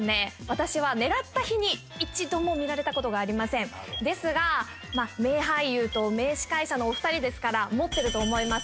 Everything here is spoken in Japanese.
私は狙った日に一度も見られたことがありませんですが名俳優と名司会者のお二人ですから持ってると思います